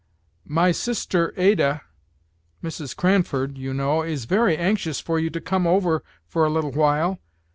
"My sister Ada Mrs. Cranford, you know is very anxious for you to come over for a little while.